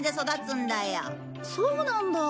そうなんだ。